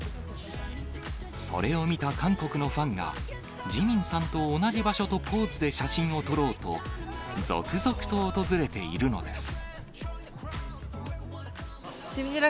それを見た韓国のファンが、ＪＩＭＩＮさんと同じ場所とポーズで写真を撮ろうと、続々と訪れているのです。